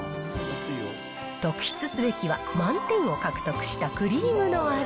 特筆すべきは、満点を獲得したクリームの味。